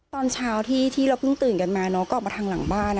ตอนเช้าที่เราเพิ่งตื่นกันมาน้องก็ออกมาทางหลังบ้าน